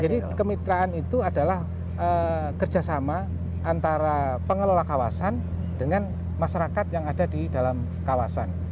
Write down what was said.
jadi kemitraan itu adalah kerjasama antara pengelola kawasan dengan masyarakat yang ada di dalam kawasan